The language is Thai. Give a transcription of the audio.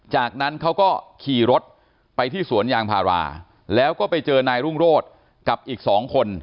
จากนั้นเขาก็ขี่รถไปที่สวนยางพาราแล้วก็ไปเจอนายรุ่งโรธกับอีกสองคน